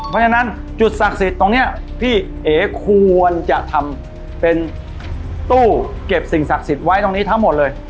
เพราะฉะนั้นจุดศักดิ์สิทธิ์ตรงนี้พี่เอ๋ควรจะทำเป็นตู้เก็บสิ่งศักดิ์สิทธิ์ไว้ตรงนี้ทั้งหมดเลย